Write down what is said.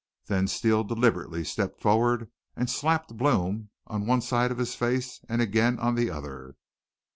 "Then Steele deliberately stepped forward an' slapped Blome on one side of his face an' again on the other.